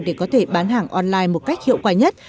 để có thể bán hàng online một cách hiệu quả nhất